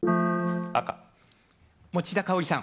赤持田香織さん